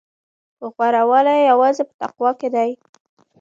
غوره والی یوازې په تقوی کې دی.